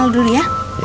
kita tidur dulu ya